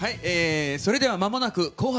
それでは「まもなく紅白！